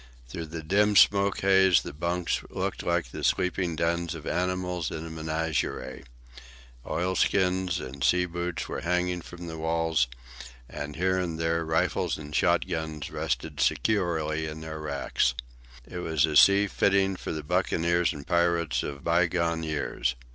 Through the dim smoke haze the bunks looked like the sleeping dens of animals in a menagerie. Oilskins and sea boots were hanging from the walls, and here and there rifles and shotguns rested securely in the racks. It was a sea fitting for the buccaneers and pirates of by gone years.